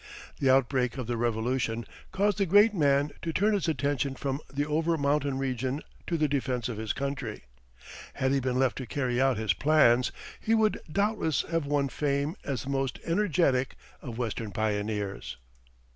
The outbreak of the Revolution caused the great man to turn his attention from the over mountain region to the defense of his country. Had he been left to carry out his plans, he would doubtless have won fame as the most energetic of Western pioneers.